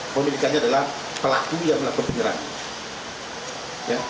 pemilikannya adalah pelaku yang melakukan penyerangan